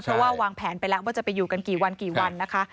เพราะว่าวางแผนไปแล้วว่าจะไปอยู่กันกี่วันกี่วันนะคะ